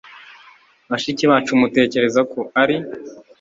Bashiki bacu mutekereza ko ari